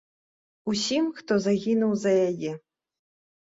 Усім, хто загінуў за яе.